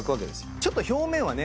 ちょっと表面はね